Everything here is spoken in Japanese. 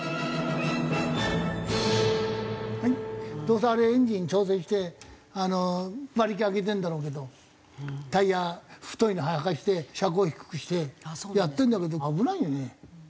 どうせあれエンジン調整して馬力上げてんだろうけどタイヤ太いのはかして車高低くしてやってんだけど危ないよね。